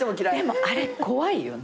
でもあれ怖いよね。